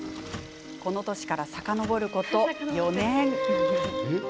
この年から、さかのぼること４年。